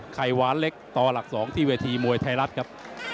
ไข่หวานเล็กต่อหลัก๒ที่เวทีมวยไทยรัฐครับ